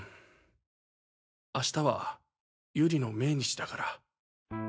明日はゆりの命日だから。